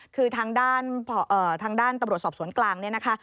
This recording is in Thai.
คือทางด้านตำรวจสอบสวนกลางเนี่ยนะคะ